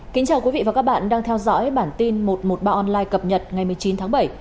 kính chào quý vị và các bạn đang theo dõi bản tin một trăm một mươi ba online cập nhật ngày một mươi chín tháng bảy